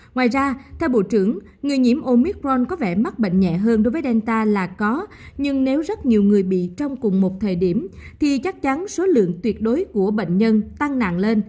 ngoài ra theo bộ trưởng người nhiễm omicron có vẻ mắc bệnh nhẹ hơn đối với delta là có nhưng nếu rất nhiều người bị trong cùng một thời điểm thì chắc chắn số lượng tuyệt đối của bệnh nhân tăng nặng lên